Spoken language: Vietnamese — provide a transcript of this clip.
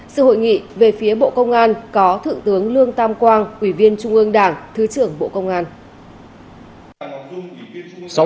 sự hội nghị về phía bộ công an có thượng tướng lương tam quang ủy viên trung ương đảng thứ trưởng bộ công an